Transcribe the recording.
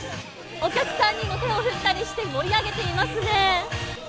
お客さんにも手を振ったりして、盛り上げていますね。